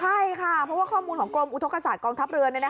ใช่ค่ะเพราะว่าข้อมูลของกรมอุทธกศาสตกองทัพเรือ